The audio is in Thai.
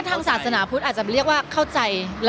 ทางศาสนาพุทธอาจจะเรียกว่าเข้าใจ